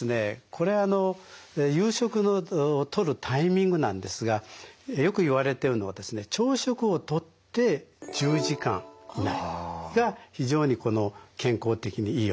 これあの夕食のとるタイミングなんですがよく言われてるのはですね朝食をとって１０時間以内が非常にこの健康的にいいよと。